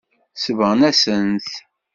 Sebɣen-asent-t.